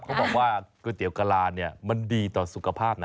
เขาบอกว่าก๋วยเตี๋ยวกะลาเนี่ยมันดีต่อสุขภาพนะ